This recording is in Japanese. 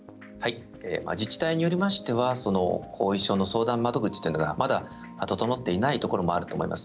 自治体によりましては後遺症の相談窓口がまだ整っていないところもあると思います。